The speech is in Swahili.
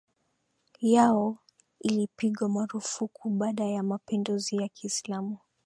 yao ilipigwa marufuku baada ya mapinduzi ya Kiislamu